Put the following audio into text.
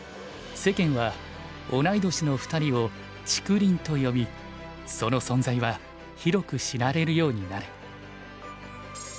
世間は同い年の２人を「竹林」と呼びその存在は広く知られるようになる。